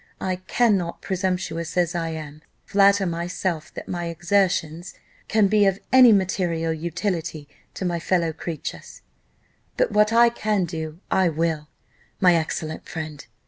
I cannot, presumptuous as I am, flatter myself that my exertions can be of any material utility to my fellow creatures, but what I can do I will, my excellent friend!